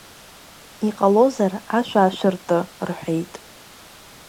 Иҟалозар ашә аашәырты, — рҳәеит.